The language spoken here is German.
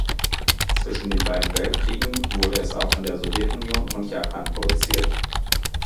Zwischen den beiden Weltkriegen wurde es auch in der Sowjetunion und Japan produziert.